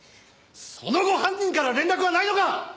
その後犯人から連絡はないのか？